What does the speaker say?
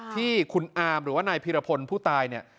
ที่คุณอาร์มหรือว่านายพิรพลผู้ตาย